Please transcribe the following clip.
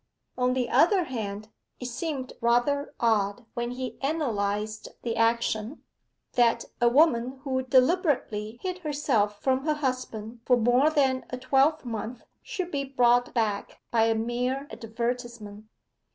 On the other hand, it seemed rather odd, when he analyzed the action, that a woman who deliberately hid herself from her husband for more than a twelvemonth should be brought back by a mere advertisement.